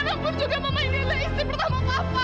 tapi anak hubungan istri papa